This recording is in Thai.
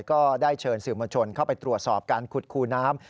ก็ได้เชิญสื่อมวลชนเข้าไปตรวจสอบการขุดคูน้ำ